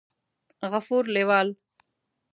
غفور لېوال